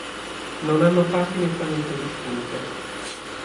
Non hanno fasi nettamente distinte.